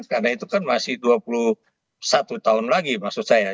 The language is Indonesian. karena itu kan masih dua puluh satu tahun lagi maksud saya